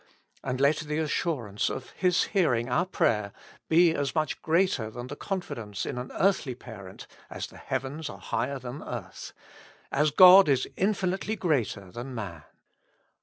And let the assurance of His hearing our prayer be as much greater than the confidence in an earthly parent, as the heavens are higher than earth, as God is infinitely greater than man.